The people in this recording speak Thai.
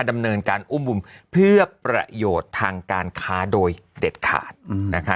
ดำเนินการอุ้มบุญเพื่อประโยชน์ทางการค้าโดยเด็ดขาดนะคะ